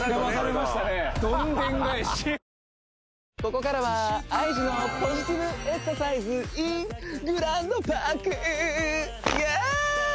ここからはＩＧのポジティブエクササイズｉｎグランドパークイエース！